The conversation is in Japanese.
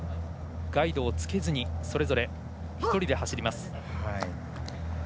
ガイドをつけずにそれぞれ、１人で走ります。